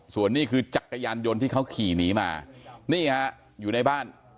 ส่วนนี้คือจักรยานยนต์ที่เขาขี่หนีมานี่ฮะอยู่ในบ้าน